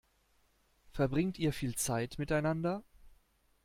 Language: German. Verbringt ihr viel Zeit miteinander?